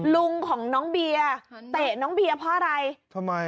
ลุงของน้องเบียเตะน้องเบียเพราะอะไร